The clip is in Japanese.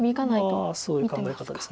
まあそういう考え方です。